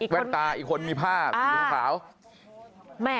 แว่นตาอีกคนมีผ้า